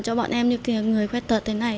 cho bọn em như người khuyết tật thế này